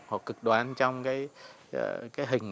họ cực đoan trong cái hình ảnh